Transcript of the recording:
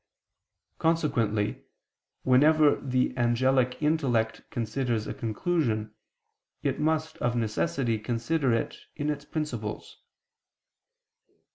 Consequently, whenever the angelic intellect considers a conclusion, it must, of necessity, consider it in its principles.